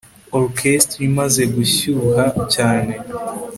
orchestre imaze gushyuha cyane